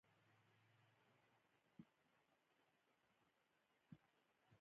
آیا کاناډا د افغانستان سره مرسته نه ده کړې؟